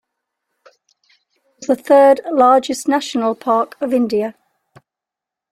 It was third largest National park of India.